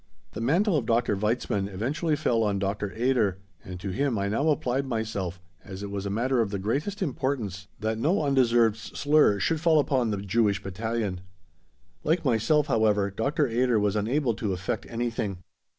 The mantle of Dr. Weizmann eventually fell on Dr. Eder, and to him I now applied myself, as it was a matter of the greatest importance that no undeserved slur should fall upon the Jewish Battalion. Like myself, however, Dr. Eder was unable to effect anything.